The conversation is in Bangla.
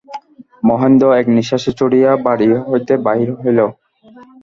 মহেন্দ্র এক নিশ্বাসে ছুটিয়া বাড়ি হইতে বাহির হইয়া গেল।